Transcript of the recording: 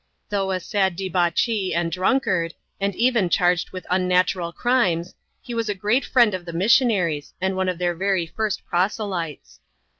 Though a sad debauchee and drunkard, and even charged with unnatural crimes, he was a great friend of the missionaries, and one of their very first proselytes.